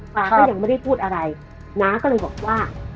ฟ้าก็ยังไม่ได้พูดอะไรน้าก็เลยบอกว่า